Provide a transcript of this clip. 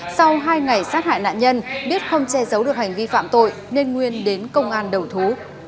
sau hai ngày sát hại nạn nhân biết không che giấu được hành vi phạm tội nên nguyên đến công an đầu thú